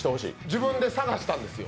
自分で探したんですよ